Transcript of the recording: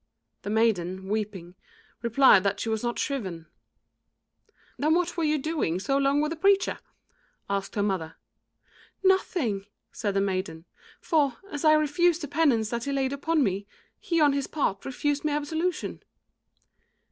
The maiden, weeping, replied that she was not shriven. "Then what were you doing so long with the preacher?" asked her mother. "Nothing," said the maiden, "for, as I refused the penance that he laid upon me, he on his part refused me absolution."